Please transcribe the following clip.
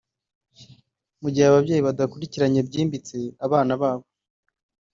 Mu gihe ababyeyi badakurikiranye byimbitse abana babo